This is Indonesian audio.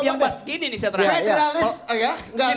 yang buat ini nih saya terakhir